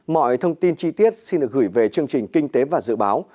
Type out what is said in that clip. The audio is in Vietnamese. mọi thông tin chi tiết xin được gửi về chương trình kinh tế và dự báo